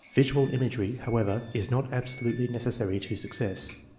Visual imagery, however, is not absolutely necessary to success.